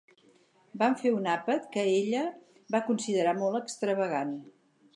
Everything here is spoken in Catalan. Van fer un àpat que ella va considerar molt extravagant.